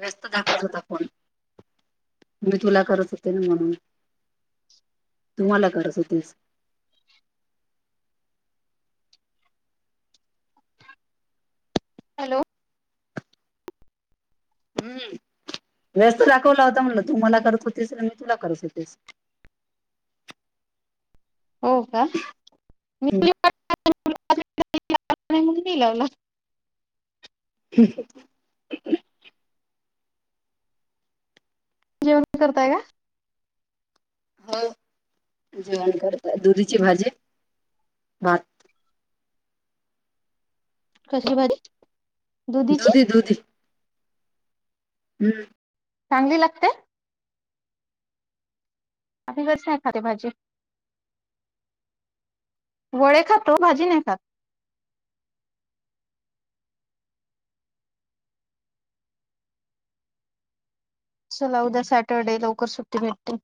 व्यस्त दाखवत होता फोन, मी तुला करत होते ना म्हणून. तु मला करत होतीस. हॅलो हम्म, व्यस्त दाखवला होता म्हणलं, तु मला करत होतीस आणि मी तुला करत होते हो का, मी तुझी वाट [unintelligible] मी लावला. हम‌्. जेवण करताय का? होय, जेवण करतोय दुधीची भाजी, भात. कशी बाजी. दुधी दुधी. हम्म. चांगली लागते. अभी कस नाय खाते भाजी. वळे खातो भाजी नाही खात. चला उद्या सॅटरडे लवकर सुट्टी भेटते.